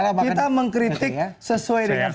kita mengkritik sesuai dengan fakta